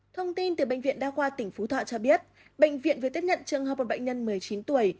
thông tin từ bệnh viện đa khoa tỉnh phú thọ cho biết bệnh viện vừa tiếp nhận trường hợp một bệnh nhân một mươi chín tuổi